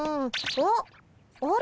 あっあれ？